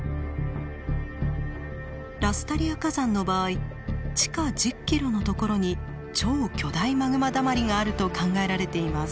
ラスタリア火山の場合地下１０ｋｍのところに超巨大マグマだまりがあると考えられています。